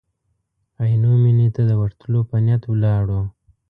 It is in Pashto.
عینو مېنې ته د ورتلو په نیت ولاړو.